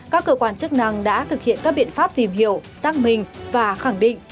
các cơ quan chức năng đã thực hiện các biện pháp tìm hiểu xác minh và khẳng định